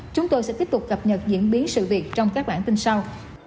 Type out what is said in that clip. chúng tôi sẽ tiếp tục cập nhật diễn biến sự việc trong các bản tin sau